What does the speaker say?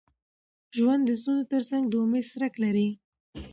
ژوند د ستونزو تر څنګ د امید څرک لري.